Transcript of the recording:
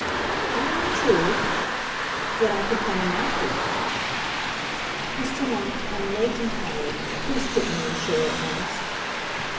"Really and truly? Then I could come in after you." "Mr. Mont, I'm late and tired; please put me on shore at once."